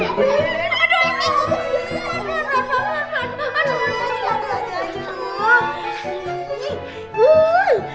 aduh renan renan